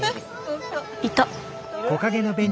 いた。